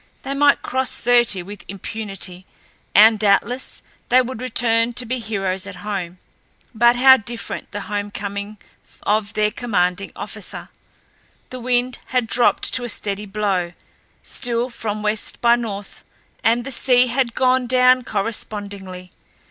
They might cross thirty with impunity, and doubtless they would return to be heroes at home; but how different the home coming of their commanding officer! The wind had dropped to a steady blow, still from west by north, and the sea had gone down correspondingly.